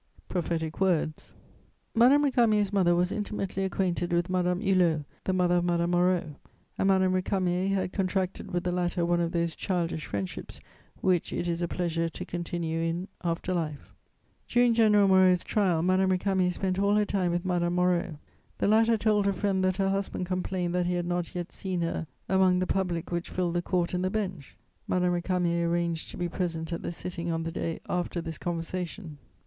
Prophetic words! Madame Récamier's mother was intimately acquainted with Madame Hulot, the mother of Madame Moreau, and Madame Récamier had contracted with the latter one of those childish friendships which it is a pleasure to continue in after life. [Sidenote: The trial of General Moreau.] During General Moreau's trial, Madame Récamier spent all her time with Madame Moreau. The latter told her friend that her husband complained that he had not yet seen her among the public which filled the court and the bench. Madame Récamier arranged to be present at the sitting on the day after this conversation.